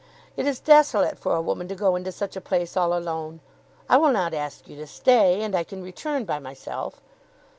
It is desolate for a woman to go into such a place all alone. I will not ask you to stay. And I can return by myself."